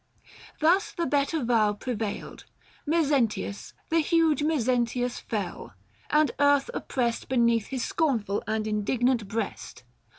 Thus The better vow prevailed : Mezentius, The huge Mezentius, fell ; and earth oppressed Beneath his scornful and indignant breast.